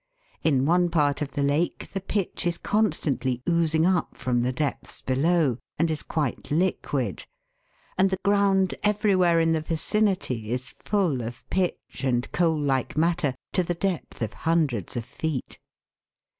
In one part of the lake the pitch is constantly oozing up from the depths below, and is quite liquid ; and the ground every where in the vicinity is full of pitch and coal like matter to the depth of hundreds of feet.